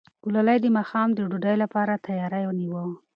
ګلالۍ د ماښام د ډوډۍ لپاره تیاری نیوه.